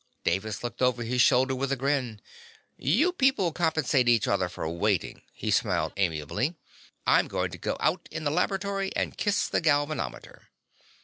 Davis looked over his shoulder with a grin. "You people compensate each other for waiting," he said amiably. "I'm going to go out in the laboratory and kiss the galvanometer."